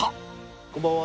こんばんは。